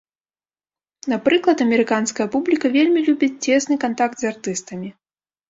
Напрыклад, амерыканская публіка вельмі любіць цесны кантакт з артыстамі.